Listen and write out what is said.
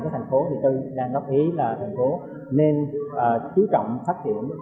thành phố thì tôi đang ngóc ý là thành phố nên chú trọng phát triển